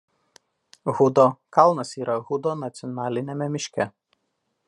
Hudo kalnas yra Hudo nacionaliniame miške.